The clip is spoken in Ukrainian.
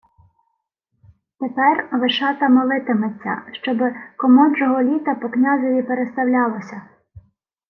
— Тепер Вишата молити-йметься, щоби комождого літа по князеві переставлялося.